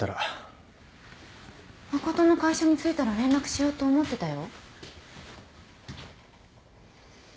誠の会社に着いたら連絡しようと思ってたよ。